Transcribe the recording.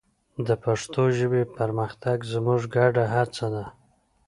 د پښتو ژبې پرمختګ زموږ ګډه هڅه ده.